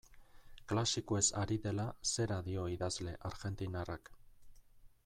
Klasikoez ari dela, zera dio idazle argentinarrak.